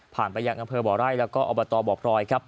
ผ่านไปอย่างอำเภอบ่อไร่และอบตบ่อพรอย